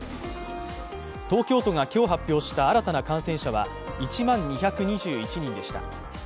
東京都が今日発表した新たな感染者は１万２２１人でした。